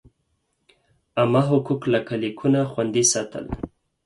عامه حقوق لکه لیکونو خوندي ساتل.